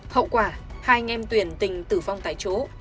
hậu quả hai anh em tuyển tình tử vong tại chỗ